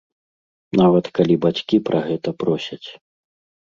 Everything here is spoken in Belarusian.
Нават калі бацькі пра гэта просяць.